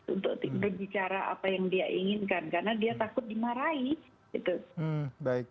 untuk berbicara apa yang dia inginkan karena dia takut dimarahi